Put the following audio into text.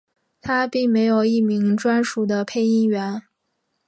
它并没有一名专属的配音员。